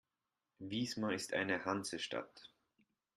Wismar ist eine Hansestadt.